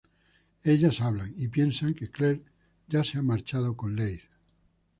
Ellas hablan, y piensan que Clair ya se ha marchado con Leigh.